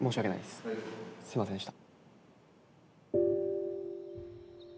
すいませんでした。